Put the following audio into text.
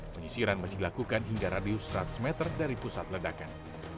penyisiran masih dilakukan hingga radius seratus meter dari pusat ledakan